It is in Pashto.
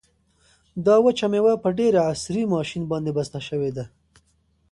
دا وچه مېوه په ډېر عصري ماشین باندې بسته شوې ده.